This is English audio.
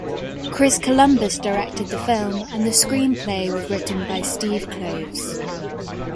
Chris Columbus directed the film, and the screenplay was written by Steve Kloves.